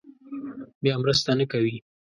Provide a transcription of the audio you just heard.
بیا مرسته نه کوي.